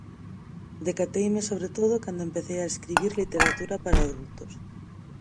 Decateime sobre todo cando empecei a escribir literatura para adultos.